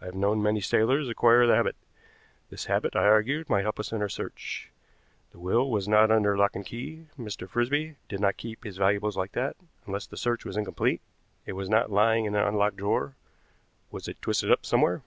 I have known many sailors acquire the habit. This habit, I argued, might help us in our search. The will was not under lock and key, Mr. Frisby did not keep his valuables like that; unless the search was incomplete it was not lying in an unlocked drawer. Was it twisted up somewhere?"